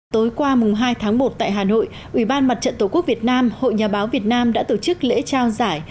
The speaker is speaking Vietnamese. tối qua hai tháng một tại hà nội ủy ban mặt trận tổ quốc việt nam hội nhà báo việt nam đã tổ chức lễ trao giải